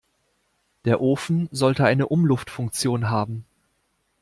Der Ofen sollte eine Umluftfunktion haben.